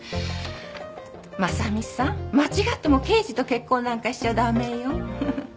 真実さん間違っても刑事と結婚なんかしちゃダメよ。